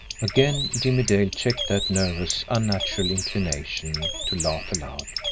Again Jimmie Dale checked that nervous, unnatural inclination to laugh aloud.